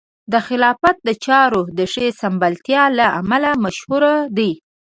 د خلافت د چارو د ښې سمبالتیا له امله مشهور دی.